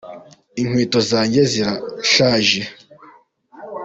Inkweto zanjye zirashaje.